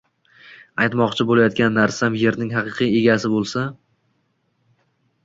Aytmoqchi bo‘layotgan narsam – yerning haqiqiy egasi bo‘lsa.